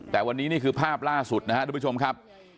แต่วันนี้นี่คือภาพล่าสุดนะครับทุกผู้ชมครับ